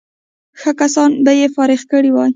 ښه کسان به یې فارغ کړي وای.